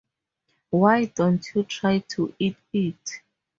Why don't you try to eat it?